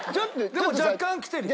でも若干きてるよ。